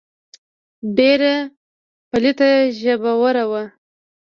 ډېره پليته ژبوره وه.